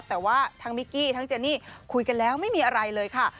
แต่ว่าทั้งมิกกี้ทั้งเจนี่คุยกันแล้วไม่มีอะไรเลยค่ะ